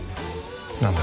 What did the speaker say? なんだ？